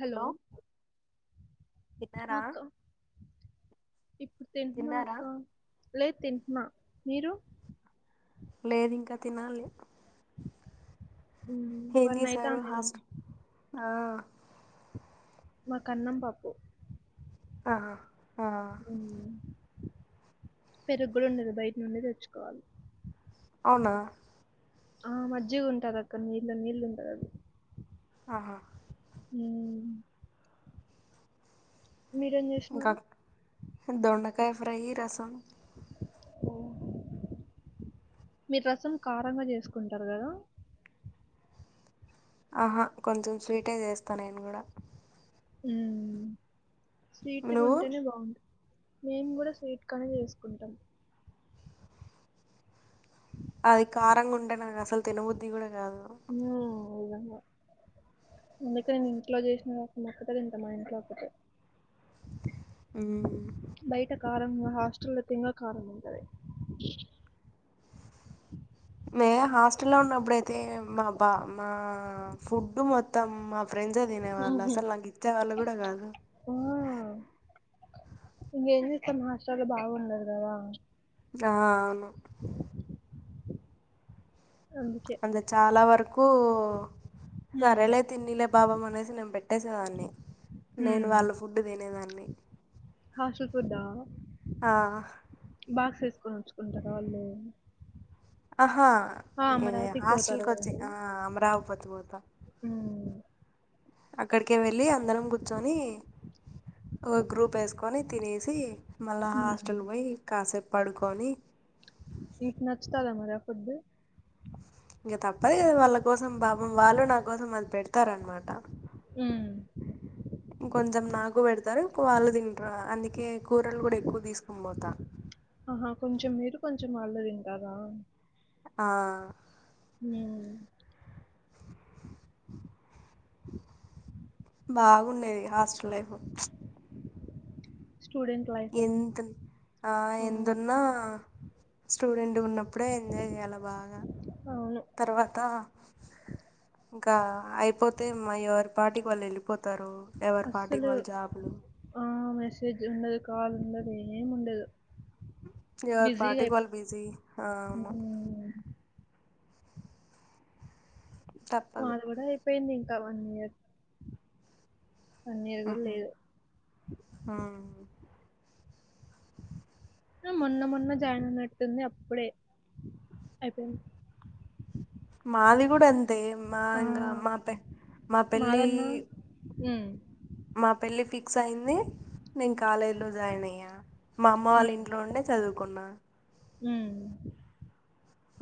Hello హా తిన్నారా అక్క ఇప్పుడు తింటున్నా తిన్నారా అక్క లేద్ తింటున్న, మీరు? లేదు ఇంక తినాలి. మ్మ్, ఏం వన్ చేశారు అయితాంది కదా హాస్ట్ హా మాక్ అన్నం పప్పు ఆహా ఆ ఉ పెరుగ్ గూడ్ ఉండదు బయట్ నుండే తెచ్చుకోవాలి. అవునా ఆ మజ్జగ ఉంటందక్క నీళ్ళు నీళ్ళు ఉంటందది. ఆహా ఉ మీరేం జెస్ ఇంక దొండకాయ ఫ్రై, రసం. ఓ మీర్ రసం కారంగ చేసుకుంటరు కదా? ఆహా కొంచెం స్వీటే చేస్తా నేను కూడా ఉ స్వీట్ నువ్వు గుంటేనే బా మేం కూడా స్వీట్ కానే చేసుకుంటాం. అది కారంగుంటే నాకు అసలు తినబుద్ధి కూడా కాదు. ఆ ఇదంగా అందుక నేను ఇంట్లో చేసిన ఒక్ ఒకటే మా ఇంట్లో ఒకటే ఉమ్ బయట కారం ఇంగ హాస్టల్లయితే ఇంగ కారంగుంటది. మే హాస్టల్లో లో ఉన్నప్పుడుయితే మాబా మా ఫుడ్ మొత్తం మా ఫ్రెండ్సే తినే వాళ్ళు ఉహు అసలు నాకు ఇచ్చే వాళ్ళు కూడా కాదు. ఆ ఇంగేం చేస్తాం హాస్టల్లో బాగుండదు కదా ఆ అవును అందుకే అంతే చాలా వరకూ ఉమ్ సరేలే తిన్నిలే బాబం అనేసి నేన్ పెట్ ట్టేసేదాన్ని నేను ఉమ్ వాళ్ళ ఫుడ్ తినేదాన్ని హాస్టల్ ఫుడ్ ఆ ఆ బాక్స్ తీసుకొనొచ్చుకుంటారా వాళ్ళు? ఆహా ఆ ఈ అమరావతికి పోతారు హాస్టల్కి కదా వచ్చి మీరు ఆ అమరావపతి పోతా ఉమ్ అక్కడికే వెళ్ళి, అందరం కూర్చొని, ఒక గ్రూప్ వేసుకొని తినేసి మళ్ళా ఉమ్. హాస్టల్ పోయి కాసేపు పడుకొని మీకు నచ్చుతాదారా ఫుడ్డు ఇంక తప్పదు గదా వాళ్ళ కోసం బా వాళ్ళు నా కోసం అది పెడతారు అనమాట ఉ ఇంక కొంచం నాకు పెడతారు వాళ్ళు తింటారు అందుకే కూరలు కూడా ఎక్కువ తీసుకుని పోతారు ఆహా కొంచెం మీరు కొంచెం వాళ్ళు తింటారా ఆ ఉ బాగుండేది హాస్టల్ లైఫ్ స్టూడెంట్ లైఫ్ ఆ ఎంత ఆ ఎంతున్నా స్టూడెంట్ ఉన్నప్పుడే ఎంజాయ్ చేయ్యాలి బాగా అవును తర్వాత ఇంకా అయిపోతే మా ఎవరి పాటికి వాళ్ళు వెళ్ళిపోతారు ఎవరి పాటికి అస్సలు వాళ్ళు జాబ్లు ఆ మెసేజ్ ఉండదు కాల్ ఉండదు ఏమి ఉండదు ఎవరు బిజీగా అయి పాటికివాళ్ళు బిజీ అవును ఉమ్ తప్పదు వాళ్ళు కూడా అయిపోయింది ఇంకా వన్ ఇయర్ వన్ ఇయర్ ఆ కూడా లేదు ఆహా మొన్న మొన్న జాయిన్ అయినట్టుంది అప్పుడే అయిపోయింది మాది కూడా అంతే మా ఆ, ఇంకా మా పె మా పెళ్ళి హ్మ్ మా పెళ్ళి ఫిక్స్ అయింది నేను కాలేజ్లో జాయిన్ అయ్యా మా అమ్మ వాళ్ళ ఇంట్లో ఉండే చదువుకున్నా హ్మ్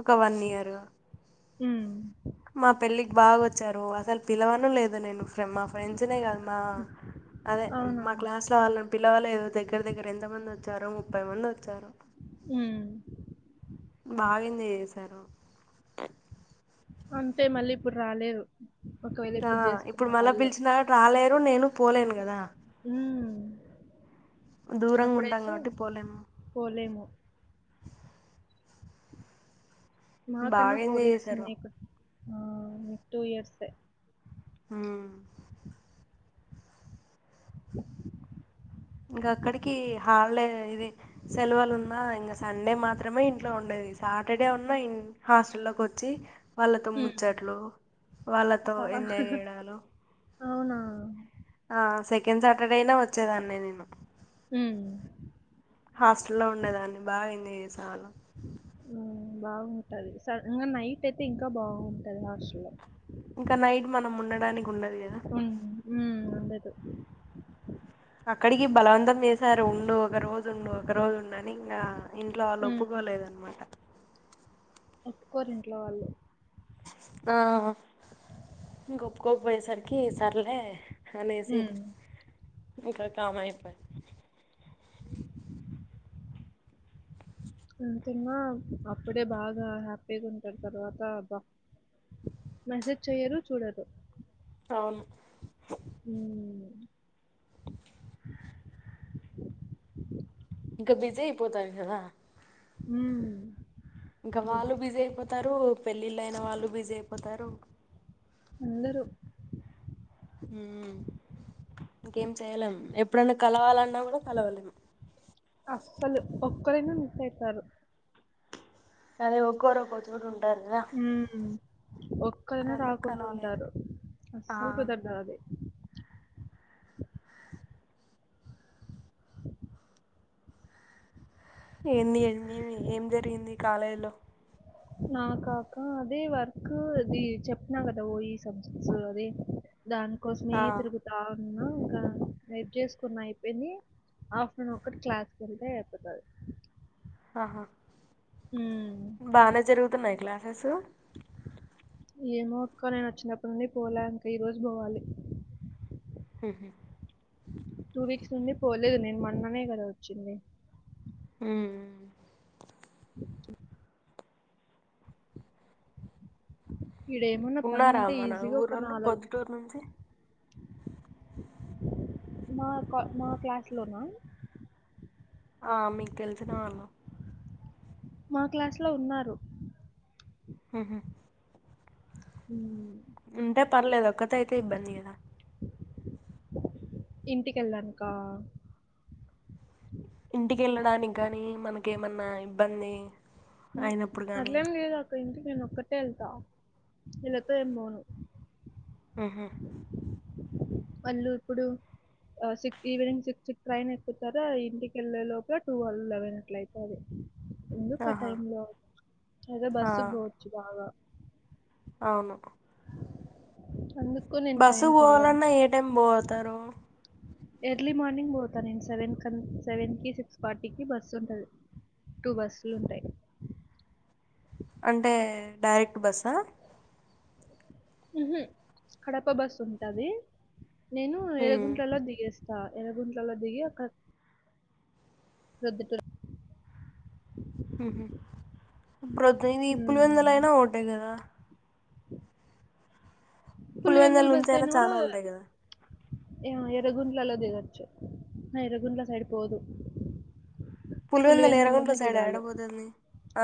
ఒక వన్ ఇయర్ హ్మ్ మా పెళ్ళికి బాగొచ్చారు అసల్ పిలవను లేదు నేను మా ఫ్రెండ్స్నే కాదు మా అదే అవునా మా క్లాస్‌లో వాళ్ళు పిలవలేదు దగ్గర దగ్గర ఎంత మంది వచ్చారు ముప్పై మంది వచ్చారు హ్మ్ బాగ ఎంజాయ్ చేసారు అంతే మళ్ళీ ఇప్పుడు రాలేదు ఆ ఇప్పుడు మళ్ళా పిలిచిన రాలేరు నేను పోలేను కదా హ్మ్ దూరంగా ఉంటాం కాబట్టి పోలేం పోలేము మాకన్నా బాగా ఫోర్ ఎంజాయ్ ఇయర్స్ చేశారు ఉన్నాయికు మీకు టూ ఇయర్స్ ఆ [unintelligible] ఇంకా అక్కడికి హాల్డే ఇది సెలవులు ఉన్నా ఇంగ సండే మాత్రమే ఇంట్లో ఉండేది సాటర్డే ఉన్నా ఇం హాస్టల్లోకి వచ్చి వాళ్ళతో ముచ్చట్లు వాళ్ళతో సా ఎంజాయ్ చేయడాలు అవునా ఆ సెకెండ్ సాటర్డే అయినా వచ్చేదాన్నే నేను హ్మ్ హాస్టల్లో ఉండేదాన్ని బాగెంజాయ్ చేసేవాళ్లం హ్మ్ బాంటది స ఇంగ నైట్ అయితే ఇంకా బాంటది హాస్టల్లో ఇంక నైట్ మనం ఉండడానికుండదు గదా హ్మ్ హ్మ్ అక్కడిగి బలవంతం చేశారు ఉండు ఒక రోజు ఉండు ఒక రోజు ఉండు అని ఇంగా ఇంట్లో ఆళ్ళు ఉమ్, ఒప్పుకోలేదన్మాట ఒప్కోరు ఇంట్లో వాళ్ళు ఆ ఇంగొప్కోక్పోయేసరికి ఈ సర్లే అనేసి ఉమ్. ఇంక కామ్ అయిపోయా హ్మ్ తిన్నా అప్పుడే బాగా హ్యాప్పిగుంటరు తర్వాత బా మెసేజ్ చెయ్యరు చూడరు ఔను హ్మ్ ఇంక బిజీ అయిపోతాం గదా ఉహ్మ్ ఇంక వాళ్ళు బిజీ అయిపోతారు పెళ్ళిళ్ళయిన వాళ్ళు బిజీ అయిపోతారు అందరూ హ్మ్ ఇంకేం చెయ్యలం ఎప్పుడన్న కలవాలన్నా గుడ కలవలేం అస్సల్ ఒక్కరైనా మిస్సైతారు సరే ఒకోరు ఒక్కో చోట ఉంటారు కదా హ్మ్ ఇంక ఒక్కరైన అందరు కలవలేరు రాకుండుంటారు ఆ అస్సలు కుదర్దాది ఏంది ఏంది ఏం జరిగింది కాలేజ్లో నాకాక అదీ వర్క్ అది చెప్పిన కదా ఓ ఈ సబ్జెక్ట్స్ అదీ దాన్కోసమే ఆ తిరుగుతా ఉన్నా ఇంకా [inaudible] చేసుకున్నా అయిపోయింది అఫ్ట్నూన్ ఒక్కటి క్లాస్కెల్ళ్తే అయిపోతుంది ఆహా ఊమ్ బానే జరుగుతున్నాయి క్లాసెస్ ఏమో అక్క నేనొచ్చినప్పట్నుండి పోలే అన్కే ఈరోజు బోవాలి హుహు టు వీక్స్ నుండి పోలేదు నేన్ మన్ననే గదా ఒచ్చింది హుమ్ ఐజీ [inaudible] ఇడేమన్నా పన్లుంటె ఈజీగా ఒక నాలగు టూర్నమెంట్స్ [unintelligible] మాక్ మా క్లాస్లోనా ఆ మీక్ తెల్సిన వాళ్ళు మా క్లాస్లో ఉన్నారు ఊహు ఉ ఉంటే పర్లేదు ఒక్కతే అయితే ఇబ్బంది గదా ఇంటికెళ్ళానుకా ఇంటికి ఎళ్ళడానికి గాని మనకేమన్నా ఇబ్బంది ఉ అయినప్పుడు గానీ అట్లేం లేదు అక్క ఇంటికి నేను ఒక్కతే ఎళ్తా నేను ఈళ్లతో ఏం పోను ఉహు వాళ్ళు ఇప్పుడు సిక్ ఈవినింగ్ సిక్స్ ట్రైన్ ఎక్కుతారా ఇంటికెళ్ళే లోపల టూల్ లెవెన్ అట్ల అయితాది ఎందుకా ఆహా టైమ్ లో అదే ఆ బస్సుగు పోచ్చు బాగా అవును అందుక్ బస్సుకు పోవాలన్నా ఏ టైం బో పోతారు ఎర్లీ మార్నింగ్ పోతాను నేను సెవెన్ సెవెన్ కి సిక్స్ ఫార్టీ కి బస్సు ఉంటాది టూ బస్సులు ఉంటాయి అంటే డైరెక్ట్ బస్సా ఉ హు కడప బస్సు ఉంటాది నేను ఉమ్ ఏలగుంట్లలో దిగేస్ స్తా ఏలగుంట్లలో దిగి అక్కడ్ ప్రొద్దుటూరు ఉహు ప్రొద్దున ఇ పులివెందల్ అయినా ఒకటే గాదా పులివెందుల పులివెందల్ నుంచి అయినా బస్సయినాగూడా చానా ఉంటాయి కదా ఏమో ఎర్రగుంట్లలో దిగచ్చు హ ఎర్రగుంట్లల సైడ్ పోదు పులివెందుల ఎర్రగుంట్ల పులివెందల్లోనే సైడ్ దిగాలే ఏడపోతుంది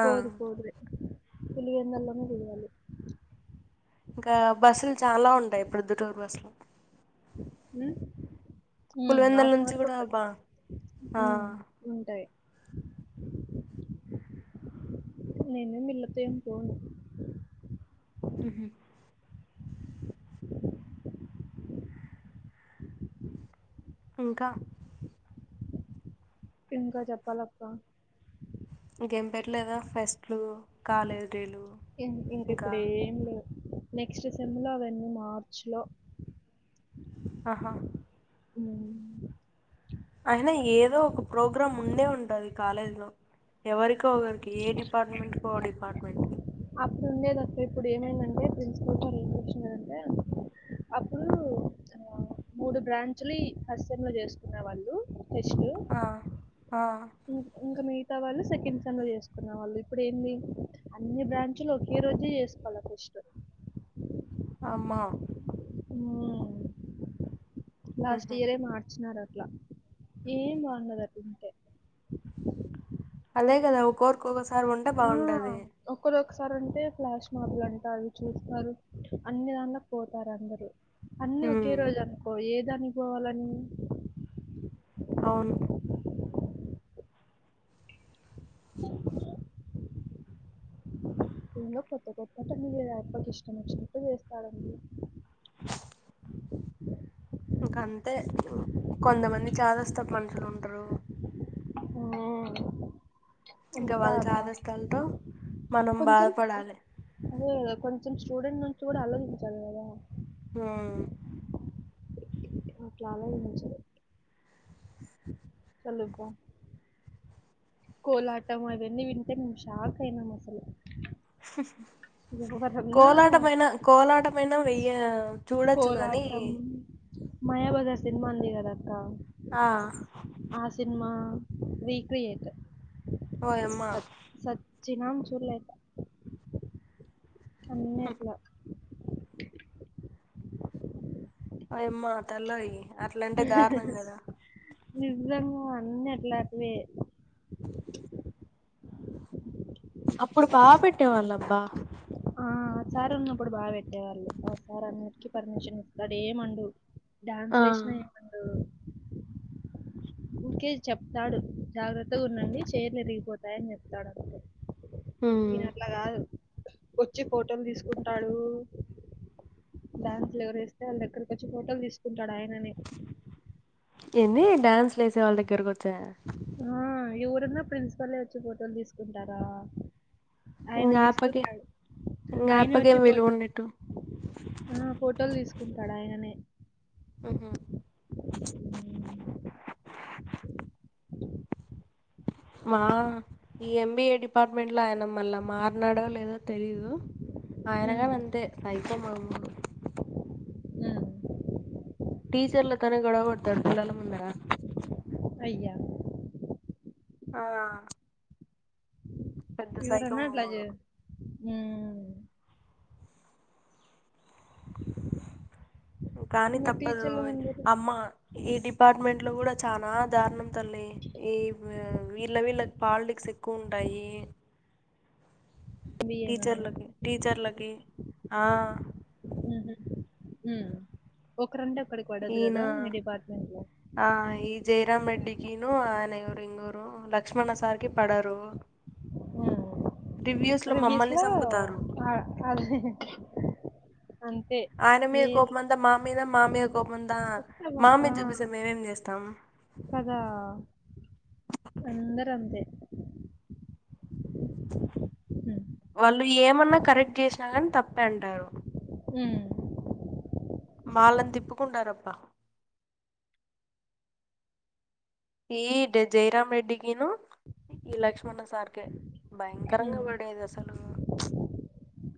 ఆ పోదు పోదుీ పులివెందల్నే దిగాలి ఇంకా బస్సులు చాలా ఉంటాయి ప్రొద్దుటూరు బస్సులు ఉ ఉ పులివెందుల హాఫ్ ఆన్ నుంచి అవర్ కి కూడా ఒకటి బా ఆ ఉ ఉంటాయి నేను మీలతో ఏం పోను ఉహ హజ్ ఇంకా ఇంకా చెప్పాలక్క ఇంకేం పెట్టలేదా ఫెస్ట్లు కాలేజ్ డే లు ఇన్ ఇంక ఇప్పుడు ఏం లేవ్ నెక్స్ట్ సెమ్లా అవన్నీ మార్చ్లో ఆహ ఉ అయినా ఏదో ఒక ప్రోగ్రాం ఉండే ఉంటాది కాలేజ్లో ఎవరికో ఒకరికి ఏ డిపార్ట్మెంట్కి ఓ డిపార్ట్మెంట్ అప్పుడు ఉండేదక్క ఇప్పుడు ఏమైందంటే ప్రిన్సిపల్ సార్ ఏం చేశినారు అంటే అప్పుడు ఆ మూడు బ్రాంచ్లు ఈ ఫస్ట్ సైమ్ లో చేసుకునే వాళ్ళు ఫెస్ట్ లు ఆ ఆ ఇంక్ ఇంకా మిగతా వాళ్ళు సెకండ్ సెమ్ లో చేసుకున్న వాళ్ళు ఇప్పుడు ఏంది అన్ని బ్రాంచ్ చ ఒకేరోజే చేసుకోవాల ఫెస్ట్ లు అమ్మ ఉ లాస్ట్ ఉహు ఇయరే మార్చినారు అట్లా ఏం బాగుండదు అట్లుంటే అదే గాదా ఒక కోరిక ఒకసారి ఉంటే ఆ బాగుంటాది ఒక్కరు ఒకసారి అంటే ఫ్లాష్ మార్బుల్ అంటారు చూస్తారు అన్ని దాంట్ల పోతారు అందరూ అన్నీ ఒకే ఉమ్ రోజు అనుకో ఏది అనికోవాలని అవును ఇ ఇంకా కొత్త కొత్తటివి అన్నీ ఆయప్పకి ఇష్టం వచ్చినట్టు చేస్తాడండి. ఇంక అంతే కొంతమంది చాదస్తపు మనుషులు ఉంటారు మ్మ్ ఇంక వాళ్ల చాదస్థాలతో కొంచెం అదే కొంచెం స్టూడెంట్ నుంచి కూడా ఆలోచించాలి కదా. మ్మ్ అట్ల ఆలోచించరు. కలుద్దాం కోలాటం అవన్నీ వింటే మేం షాక్ అయినాం అసలు. ఎవరన్నా కోలాటమైన కోలాటమైన వెయ్య చూడొచ్చు గాని కోలాటం మాయాబజార్ సినిమా ఉంది గదా అక్క ఆ ఆ సినిమా రీక్రియేట్. ఓయమ్మా సచ్చినాం చూడలేక అన్నీ అట్ల అయమ్మ తల్లోయ్ అట్లంటే దారుణం కదా నిజంగా అన్నీ అట్లాటివే [inaudible] అప్పుడు బా పెట్టేవాళ్ళబ్బా ఆ ఆ సార్ ఉన్నప్పుడు బా పెట్టేవాళ్ళు ఆ సార్ అన్నిటికీ పర్మిషన్ ఇస్తాడు ఏమండు. డ్యాన్స్ ఆ లేసిన ఏమనడు ఊరికే చెప్తాడు జాగ్రత్తగా ఉండండి చైర్లు విరిగిపోతాయి అని చెప్తాడు అంతే. హ్మ్ ఈయన అట్ల కాదు, వచ్చి ఫోటోలు తీసుకుంటాడు డాన్సులు ఎవరేస్తే వాళ్ళ దగ్గరకి వచ్చి ఫోటోలు తీసుకుంటాడు ఆయననే ఏంది డ్యాన్స్ లేేసే వాళ్ళ దగ్గరకి వచ్చా! ఆ ఎవరన్నా ప్రిన్సిపల్ ఎ వచ్చి ఫోటోలు తీసుకుంటార? ఆయన ఇంగ ఆపకి తీసుకుంటాడు. ఇంగ ఆయనే వచ్చి ఆపకేం విలువ ఫోటోలు ఉన్నట్టు ఆ ఫోటోలు తీసుకుంటాడు ఆయననే ఆహా అలో మా ఈ ఎంబిఏ డిపార్ట్మెంట్ లో ఆయన మళ్ళా మారనాడో లేదో తెలీదు. ఆయన హ్మ్. గాని అంతే సైకో మాములు హ్మ్. టీచర్లతోనే గొడవ పడతాడు పిల్లల ముందర. అయ్యా ఆ పెద్ద సైకో ఎవరన్నా అట్ల మామోడు చేయ్ మ్మ్ కానీ ఇంగ తప్పదు టీచర్లు ముందుకు అమ్మ ఈ డిపార్ట్మెంట్ లో కూడా చాన దారుణం. తల్లి ఈ వీళ్ళ వీళ్ళకి పాలిటిక్స్ ఎక్కువ ఉంటాయి బిఏనా? టీచర్లకి, టీచర్లకి ఆ మ్హు మ్మ్ ఒకరంటే ఒకరి ఈయన ఆ ఈ జైరాంరెడ్డికిను ఆయన ఎవరు ఇంకొకరు ఉమ్ లక్ష్మణ సార్ కి పడరు రివ్యూస్ లో ఆ అది అంతే ఆయన మీద ఏ కోపం అంతా మా మీద మా మీద కోపం అంత రివ్యూస్‌లో మా మీద ఆ! చూపిస్తే మేమేం చేస్తాం కదా అందరూ అంతే హ్మ్. వాళ్ళు ఏమన్నా కరెక్ట్ చేసినా గానీ తప్పే అంటారు ఉమ్ మాల తిప్పుకున్నారబ్బా ఈడ్ జైరాం రెడ్డికీ ను ఈ లక్ష్మణ సార్ కే భయంకరంగా హ్మ్. పడేది అసలు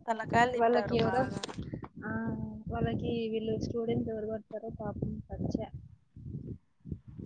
తలకాయలు వాళ్ళకి తింటారు ఎవరో బాగా ఆ వాళ్ళకి వీళ్ళు స్టూడెంట్స్ ఎవరు పడతారో పాపం చచ్చె